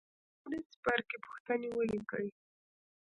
د لومړي څپرکي پوښتنې ولیکئ.